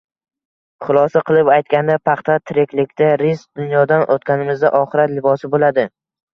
Xulosa qilib aytganda, paxta tiriklikda rizq, dunyodan o‘tganimizda oxirat libosi bo‘ladi